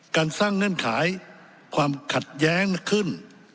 การสร้างเงื่อนไขความขัดแย้งขึ้น